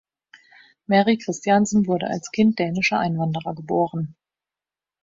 Mary Christiansen wurde als Kind dänischer Einwanderer geboren.